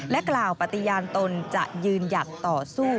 กล่าวปฏิญาณตนจะยืนหยัดต่อสู้